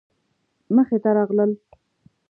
مخې ته راغلل.